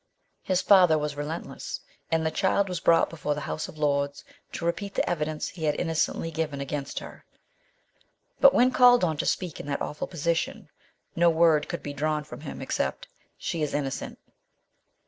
His father was relentless, and the child was brought before the House of Lords to repeat the evidence he had innocently given against her; but when called on to speak iu that awful position, no word could be drawn from him except " She is innocent."